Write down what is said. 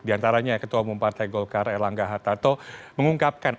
di antaranya ketua umum partai golkar elangga hatato mengungkapkan